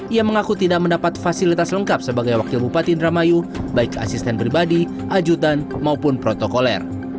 ia mengaku tidak mendapat fasilitas lengkap sebagai wakil bupati indramayu baik asisten pribadi ajutan maupun protokoler